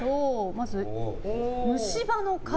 まず虫歯の数。